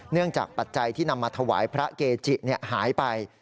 จากปัจจัยที่นำมาถวายพระเกจิหายไป